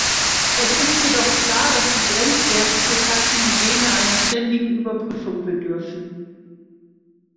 Es ist jedoch klar, dass die Grenzwerte für Karzinogene einer ständigen Überprüfung bedürfen.